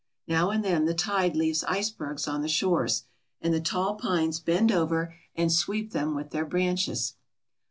Now and then the tide leaves icebergs on the shores, and the tall pines bend over and sweep them with their branches.